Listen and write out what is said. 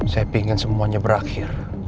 saya pingin semuanya berakhir